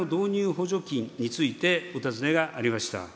補助金についてお尋ねがありました。